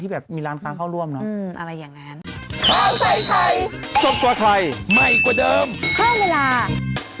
ที่แบบมีร้านค้าเข้าร่วมเนอะอะไรอย่างนั้นอะไรอย่างนั้น